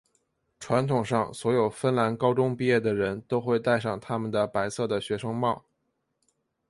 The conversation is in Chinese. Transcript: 传统上所有芬兰高中毕业的人都会带上他们的白色的学生帽。